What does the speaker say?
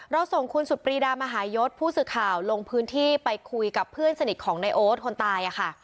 ส่งคุณสุดปรีดามหายศผู้สื่อข่าวลงพื้นที่ไปคุยกับเพื่อนสนิทของในโอ๊ตคนตายค่ะ